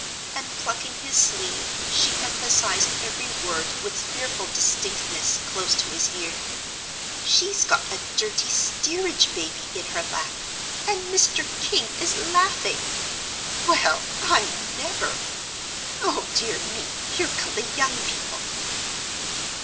And plucking his sleeve, she emphasised every word with fearful distinctness close to his ear. "She's got a dirty steerage baby in her lap, and Mr. King is laughing. Well, I never! O dear me, here come the young people!"